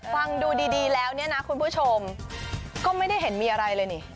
ฟังดูดีแล้วเนี่ยนะคุณผู้ชมก็ไม่ได้เห็นมีอะไรเลยนี่